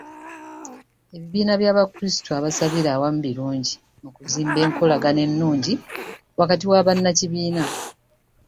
Ebibiina by'Abakirisitu abasabira awamu birungi mu kuzimba enkolagana ennungi wakati wa bannakibiina.